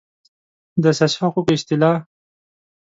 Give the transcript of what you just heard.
د اساسي حقوقو اصطلاح